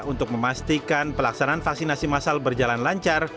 untuk memastikan pelaksanaan vaksinasi masal berjalan lancar